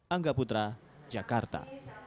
angga putra jakarta